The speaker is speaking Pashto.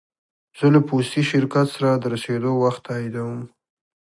زه له پوستي شرکت سره د رسېدو وخت تاییدوم.